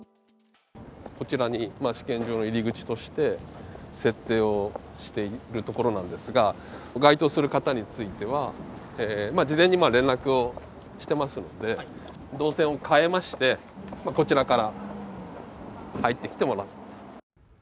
こちらに試験場の入り口として設定をしているところなんですが、該当する方については事前に連絡をしてますので動線を変えまして、こちらから入ってきてもらうと。